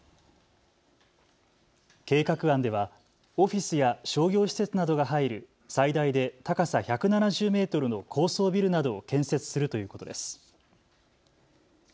計画案ではオフィスや商業施設などが入る最大で高さ１７０メートルの高層ビルなどを建設するということです。